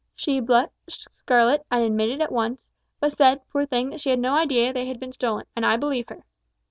She blushed scarlet, and admitted it at once, but said, poor thing, that she had no idea they had been stolen, and I believe her.